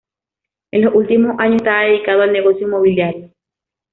En los últimos años estaba dedicado al negocio inmobiliario.